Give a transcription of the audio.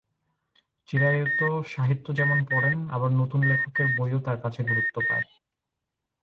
চিরায়ত সাহিত্য যেমন পড়েন, আবার নতুন লেখকের বইও তাঁর কাছে গুরুত্ব পায়।